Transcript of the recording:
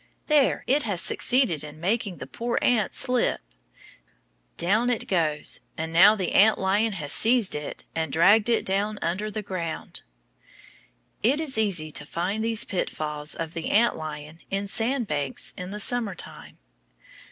There! it has succeeded in making the poor ant slip; down it goes, and now the ant lion has seized it and dragged it down under the ground. It is easy to find these pit falls of the ant lion in sand banks in the summer time.